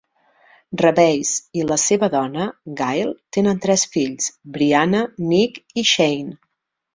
Reveiz i la seva dona, Gail, tenen tres fills: Bryanna, Nick i Shane.